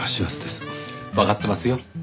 わかってますよ。